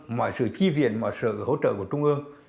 mọi sự chi viện mọi sự hỗ trợ của trung ương